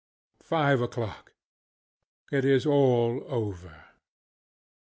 FIVE OŌĆÖCLOCK.ŌĆöIt is all over.